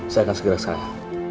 saya akan segera sekali